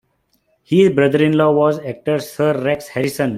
His brother-in-law was the actor Sir Rex Harrison.